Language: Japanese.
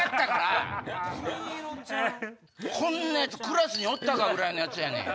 こんなヤツクラスにおったか？ぐらいのやつやねん。